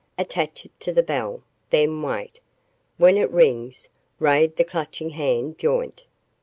Attach it to the bell; then wait. When it rings, raid the Clutching Hand joint."